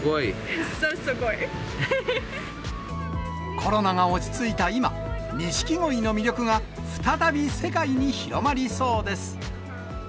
コロナが落ち着いた今、ニシキゴイの魅力が再び世界に広まりそうです。